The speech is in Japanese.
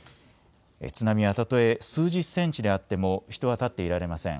津波はたとえ数十センチであっても人は立っていられません。